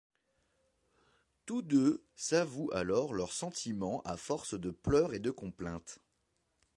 Tous deux s’avouent alors leurs sentiments à force de pleurs et de complaintes.